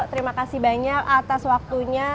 terima kasih banyak atas waktunya